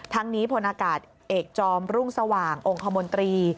ทั้งนี้พลอากาศเอกจอมรุ่งสว่างองค์คมนตรี